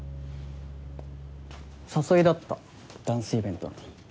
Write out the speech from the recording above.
誘いだったダンスイベントの。